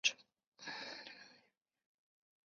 大苞滨藜为藜科滨藜属下的一个变种。